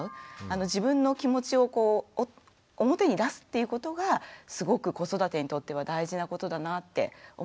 自分の気持ちを表に出すっていうことがすごく子育てにとっては大事なことだなって思います。